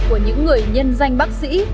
của những người nhân danh bác sĩ